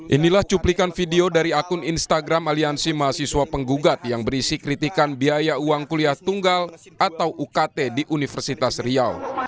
inilah cuplikan video dari akun instagram aliansi mahasiswa penggugat yang berisi kritikan biaya uang kuliah tunggal atau ukt di universitas riau